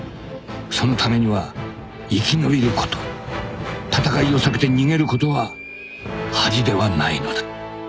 ［そのためには生き延びること戦いを避けて逃げることは恥ではないのだ］